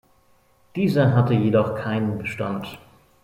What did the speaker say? Dieser hatte jedoch keinen Bestand.